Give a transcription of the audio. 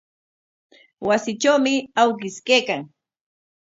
Wasitrawmi awkish kaykan.